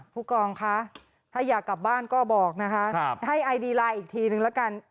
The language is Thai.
ผู้กองคะถ้าอยากกลับบ้านก็บอกนะคะให้ไอดีไลน์อีกทีนึงละกัน